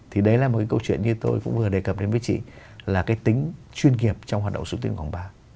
thì đấy là một cái câu chuyện như tôi cũng vừa đề cập đến với chị là cái tính chuyên nghiệp trong hoạt động xúc tiến quảng bá